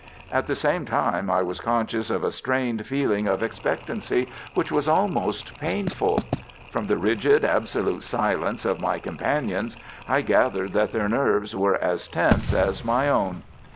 At the same time I was conscious of a strained feeling of expectancy which was almost painful. From the rigid, absolute silence of my companions I gathered that their nerves were as tense as my own.